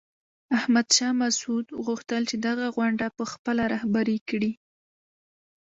احمد شاه مسعود غوښتل چې دغه غونډه په خپله رهبري کړي.